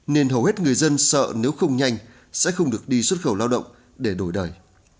nên hầu hết người dân sợ nếu không nhanh sẽ không được đi xuất khẩu lao động để đổi đời